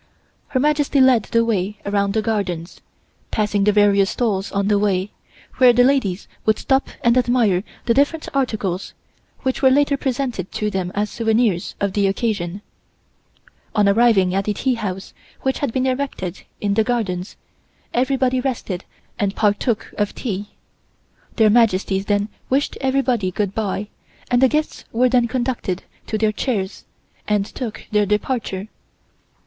Her Majesty led the way around the gardens, passing the various stalls on the way, where the ladies would stop and admire the different articles, which were later presented to them as souvenirs of the occasion. On arriving at a teahouse which had been erected in the gardens, everybody rested and partook of tea. Their Majesties then wished everybody good bye and the guests were then conducted to their chairs and took their departure.